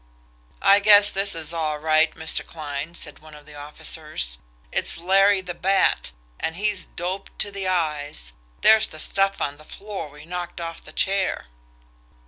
"I guess this is all right, Mr. Kline," said one of the officers. "It's Larry the Bat, and he's doped to the eyes. There's the stuff on the floor we knocked off the chair."